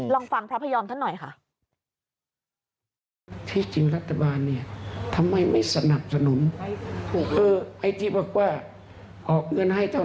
ลองฟังพระพยอมท่านหน่อยค่ะ